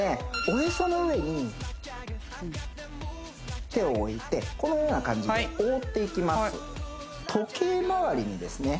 おへその上に手を置いてこのような感じで覆っていきます時計回りにですね